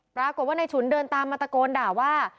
ปรากฏว่าในฉุนเดินตามมาตะโกนด่าว่า